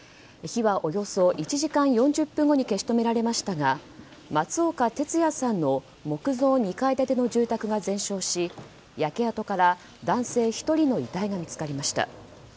火はおよそ１時間４０分後に消し止められましたが松岡哲也さんの木造２階建ての住宅が全焼し焼け跡から男性１人の遺体が見つかりました。